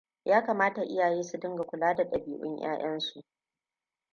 Ya kamata iyaye su dinga kula da ɗabi'un ƴaƴansu.